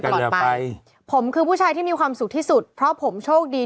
ตลอดไปผมคือผู้ชายที่มีความสุขที่สุดเพราะผมโชคดี